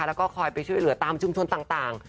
แล้วก็คอยไปช่วยเหลือตามชุมชนต่าง